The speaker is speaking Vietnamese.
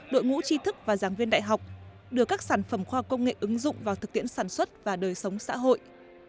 đội ngũ tri thức và giáng viên đại học đưa các sản phẩm khoa công nghệ ứng dụng vào thực tiễn sản xuất và đời sống xã hội